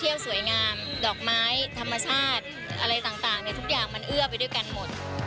ทุกอย่างมันเอื้อไปด้วยกันหมด